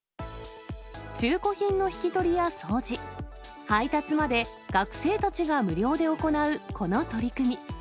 中古品の引き取りや掃除、配達まで学生たちが無料で行うこの取り組み。